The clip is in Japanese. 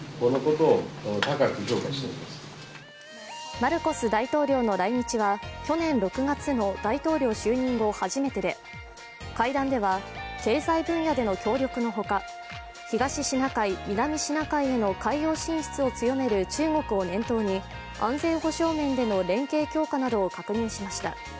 マルコス大統領の来日は去年６月の大統領就任後初めてで会談では経済分野での協力のほか、東シナ海南シナ海への海洋進出を強める中国を念頭に安全保障面での連携強化などを確認しました。